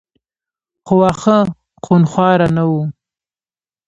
خو واښه خونخواره نه وو.